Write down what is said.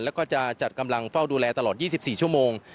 แล้วก็จะจัดกำลังเฝ้าดูแลตลอด๒๔ชั่วโมง